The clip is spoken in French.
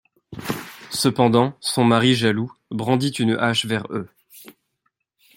Cependant, son mari, jaloux, brandit une hache vers eux.